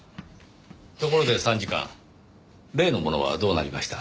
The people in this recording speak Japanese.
ところで参事官例のものはどうなりました？